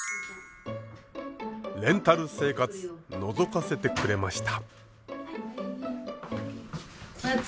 レンタル生活のぞかせてくれました。